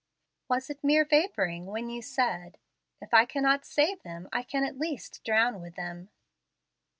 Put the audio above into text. Was it mere vaporing when you said, 'If I cannot save them, I can at least drown with them'?"